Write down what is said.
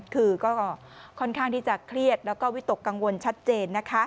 คือก็ค่อนข้างที่จะเครียดแล้วก็วิตกกังวลชัดเจนนะคะ